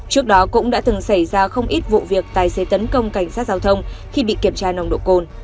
trước đó cũng đã từng xảy ra không ít vụ việc tài xế tấn công cảnh sát giao thông khi bị kiểm tra nồng độ cồn